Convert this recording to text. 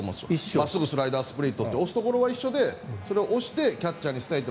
真っすぐ、スライダースプリットって押すところは一緒でそれを押してキャッチャーに伝えて。